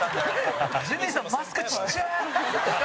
：ジミーさんマスク、ちっちぇー！